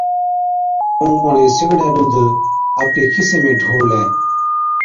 ائُون اُڻهين سِگڙَي ڏُوڌ آپڪي کِيسي ۾ ڍوڙلَي،